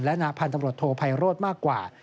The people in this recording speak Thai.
และนาพันธุ์ตำรวจโทไพโรธมากกว่า